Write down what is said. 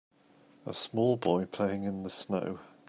A small boy playing in the snow.